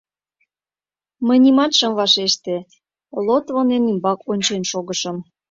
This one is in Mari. Мый нимат шым вашеште, Лотвонен ӱмбак ончен шогышым.